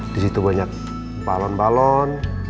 di situ banyak balon balon